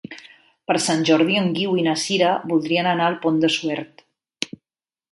Per Sant Jordi en Guiu i na Sira voldrien anar al Pont de Suert.